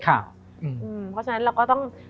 เพราะฉะนั้นเราก็ต้อง